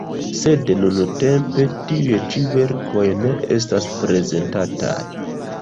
Sed nuntempe tiuj ĉi verkoj ne estas prezentataj.